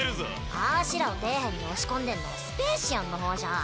あしらを底辺に押し込んでんのはスペーシアンの方じゃん。